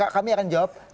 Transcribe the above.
kami akan jawab